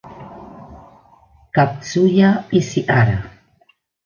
Katsuya Ishihara